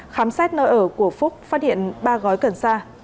khám xét nơi ở của phúc phát hiện ba gói cần sa